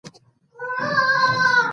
اوبه د بدن حرارت ټیټوي.